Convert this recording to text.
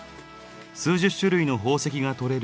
数十種類の宝石が採れる